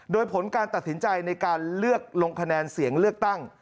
โดยผลการตัดสินใจในการเลือกลงคะแนนเสียงเลือกตั้ง